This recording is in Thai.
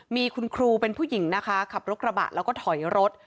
มีคุณครูเป็นผู้หญิงนะคะขับรถกระบะแล้วก็ถอยรถ